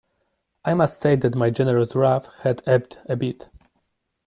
I must say that my generous wrath had ebbed a bit.